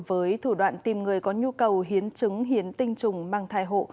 với thủ đoạn tìm người có nhu cầu hiến chứng hiến tinh trùng mang thai hộ